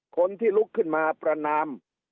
คนที่ลุกขึ้นมาประนาม